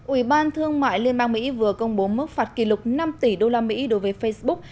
ủy ban thương mại liên bang mỹ vừa công bố mức phạt kỷ lục năm tỷ đô la mỹ đối với facebook